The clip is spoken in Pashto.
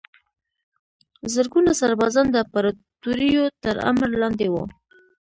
زرګونه سربازان د امپراتوریو تر امر لاندې وو.